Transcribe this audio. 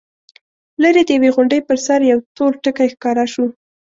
ليرې د يوې غونډۍ پر سر يو تور ټکی ښکاره شو.